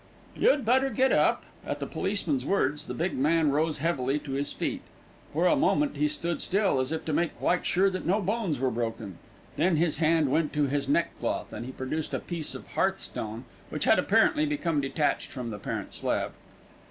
"You'd better get up." At the policeman's words the big man rose heavily to his feet. For a moment he stood still, as if to make quite sure that no bones were broken. Then his hand went to his neck cloth and he produced a piece of hearthstone which had, apparently, become detached from the parent slab.